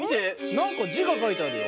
なんかじがかいてあるよ。